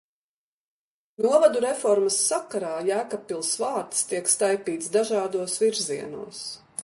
Novadu reformas sakarā Jēkabpils vārds tiek staipīts dažādos virzienos.